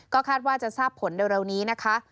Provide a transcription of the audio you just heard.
คาดว่าจะทราบผลเร็วนี้นะคะ